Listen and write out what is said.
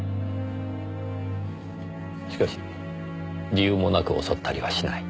しかし理由もなく襲ったりはしない。